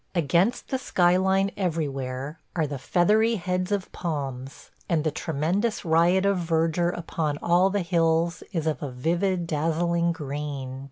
Against the sky line everywhere are the feathery heads of palms, and the tremendous riot of verdure upon all the hills is of a vivid, dazzling green.